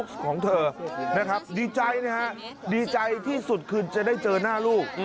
ของเธอนะครับดีใจนะฮะดีใจที่สุดคือจะได้เจอหน้าลูก